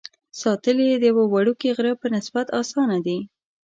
ساتل یې د یوه وړوکي غره په نسبت اسانه دي.